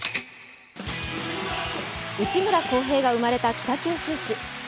内村航平が生まれた北九州市。